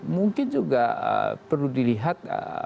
mungkin juga perlu dilihat